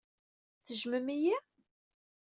Tejjmem-iyi?